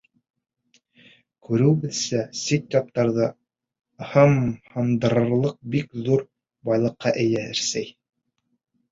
Күреүебеҙсә, сит-яттарҙы ымһындырырлыҡ бик ҙур байлыҡҡа эйә Рәсәй.